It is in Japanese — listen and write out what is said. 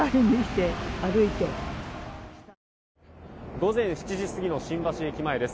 午前７時過ぎの新橋駅前です。